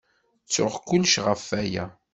Ttuɣ kullec ɣef waya.